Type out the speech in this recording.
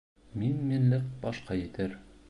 Мин-минлек башҡа етер.